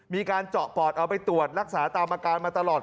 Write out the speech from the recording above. มีการเจาะปอดเอาไปตรวจรักษาตามอาการมาตลอด